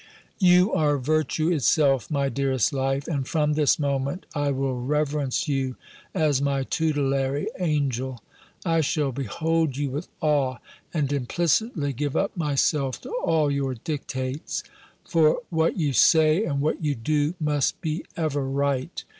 "You are virtue itself, my dearest life; and from this moment I will reverence you as my tutelary angel. I shall behold you with awe, and implicitly give up myself to all your dictates: for what you say, and what you do, must be ever right.